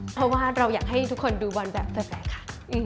เพราะว่าเราอยากให้ทุกคนดูบอลแบบกระแสค่ะ